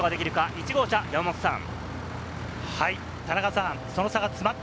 １号車、山本さん。